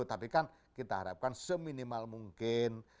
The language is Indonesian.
tapi kan kita harapkan seminimal mungkin